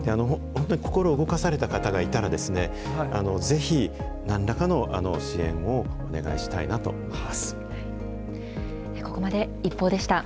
本当に心を動かされた方がいたら、ぜひなんらかの支援をお願いしたいなと思います。